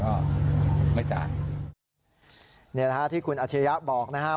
ก็ไม่จ่ายเนี่ยนะคะที่คุณอาเชยะบอกนะฮะ